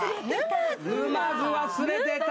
沼津忘れてた。